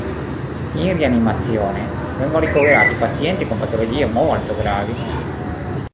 In rianimazione vengono ricoverati i pazienti con patologie molto gravi.